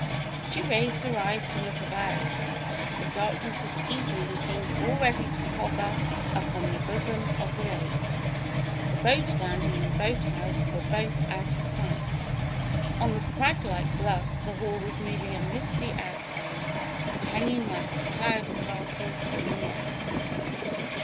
She raised her eyes to look about. The darkness of evening seemed already to hover upon the bosom of the lake. The boat landing and boathouse were both out of sight. On the crag like bluff the Hall was merely a misty outline, hanging like a cloud castle in the air.